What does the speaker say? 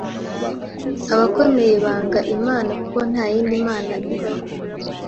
abakomeye banga Imana kuko nta yindi Mana ibaho